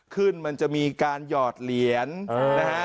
มันจะมีการหยอดเหรียญนะฮะ